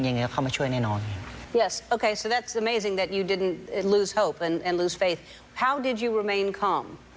ยังไงก็เข้ามาช่วยแน่นอน